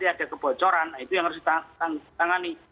soal nanti ada kebocoran itu yang harus ditangani